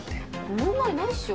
問題ないっしょ。